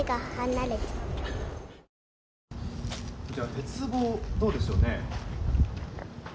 鉄棒、どうでしょうね。